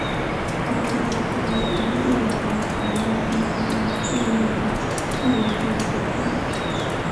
潮汐钟是一种依据月球环绕地球的视运动特别设计的钟。